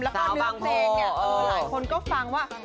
แล้วก็เนื้อเพลงเนี่ยหลายคนก็ฟังว่า